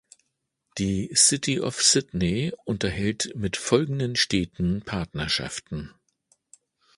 Die City of Sydney unterhält mit folgenden Städten Partnerschaften.